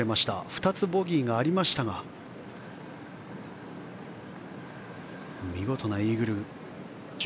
２つボギーがありましたが１５番は見事なイーグル。